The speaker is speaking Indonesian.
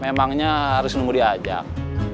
memangnya harus nunggu diajak